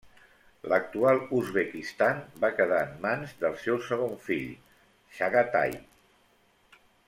L'actual Uzbekistan va quedar en mans del seu segon fill, Txagatai.